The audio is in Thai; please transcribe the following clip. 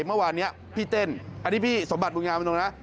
เมื่อวานนี้พี่เต้นอันนี้พี่สมบัติบุญงามตรงนะ